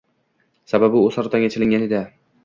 Sababi u saratonga chalingan edi